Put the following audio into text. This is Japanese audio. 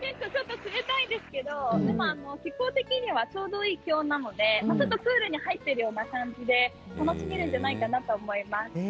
冷たいんですけど気温的にはちょうどいい気温なのでちょっとプールに入っているような感じで楽しめるんじゃないかなと思います。